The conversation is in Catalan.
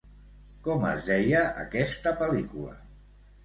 Com es deia aquesta pel·lícula?